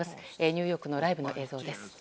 ニューヨークのライブの映像です。